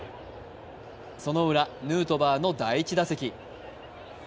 そのウラ、ヌートバーの第１打席。